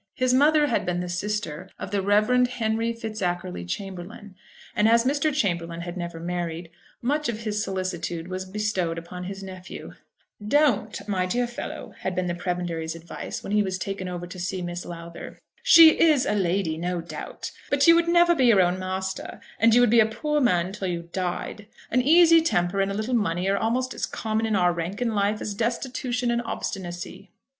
His mother had been the sister of the Rev. Henry Fitzackerly Chamberlaine; and as Mr. Chamberlaine had never married, much of his solicitude was bestowed upon his nephew. "Don't, my dear fellow," had been the prebendary's advice when he was taken over to see Miss Lowther. "She is a lady, no doubt; but you would never be your own master, and you would be a poor man till you died. An easy temper and a little money are almost as common in our rank of life as destitution and obstinacy."